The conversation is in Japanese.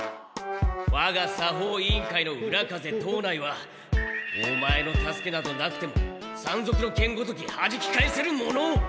わが作法委員会の浦風藤内はオマエの助けなどなくても山賊の剣ごときはじき返せるものを！